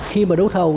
khi mà đấu thầu